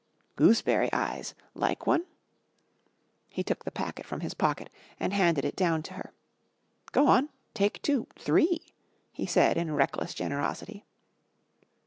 "Gooseberry Eyes. Like one?" He took the packet from his pocket and handed it down to her. "Go on. Take two three," he said in reckless generosity.